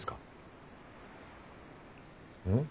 うん？